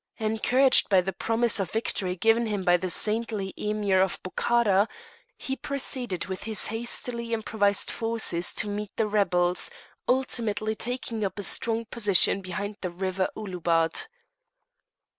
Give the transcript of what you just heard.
Encouraged by the promise of victory given him by the saintly Emir of Bokhara, he proceeded with his hastily improvised forces to meet the rebels, ultimately taking up a strong position behind the river Ouloubad.